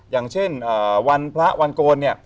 อย่างเช่นวันพระวันโกนเนี่ย